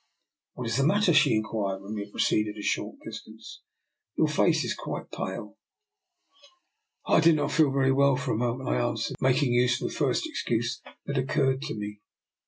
" What is the matter? " she inquired DR. NIKOLA'S EXPERIMENT. 223 when we had proceeded a short distance. " Your face is quite pale.'' " I did not feel very well for a moment," I answered, making use of the first excuse that occurred to me.